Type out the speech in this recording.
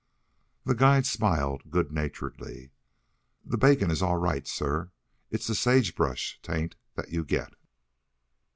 The guide smiled good naturedly. "The bacon is all right, sir. It's the sage brush taint that you get."